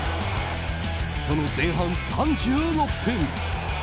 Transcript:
その前半３６分。